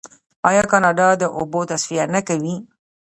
آیا کاناډا د اوبو تصفیه نه کوي؟